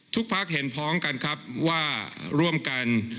พักเห็นพ้องกันครับว่าร่วมกัน